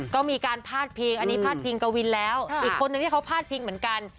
ก็มีการพาดพิงอันนี้พาดพิงกวินแล้วอีกคนนึงที่เขาพาดพิงเหมือนกัน